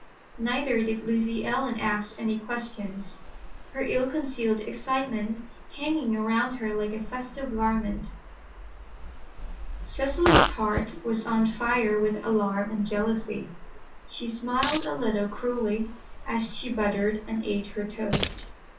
Neither did Lucy Ellen ask any questions, her ill concealed excitement hanging around her like a festal garment. Cecily's heart was on fire with alarm and jealousy. She smiled a little cruelly as she buttered and ate her toast.